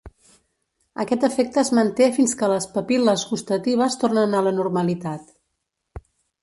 Aquest efecte es manté fins que les papil·les gustatives tornen a la normalitat.